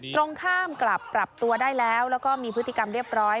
ตรงข้ามกลับปรับตัวได้แล้วแล้วก็มีพฤติกรรมเรียบร้อย